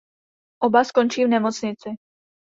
Oba skončí v nemocnici.